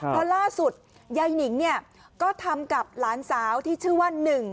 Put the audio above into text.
เพราะล่าสุดยายหนิงเนี่ยก็ทำกับหลานสาวที่ชื่อว่าหนึ่ง